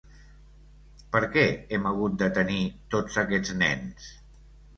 Per què hem hagut de tenir tots aquests nens?